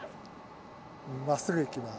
真っすぐいきます。